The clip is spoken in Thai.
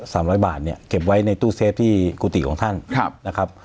สามร้อยบาทเนี่ยเก็บไว้ในตู้เซฟที่กุฏิของท่านครับนะครับ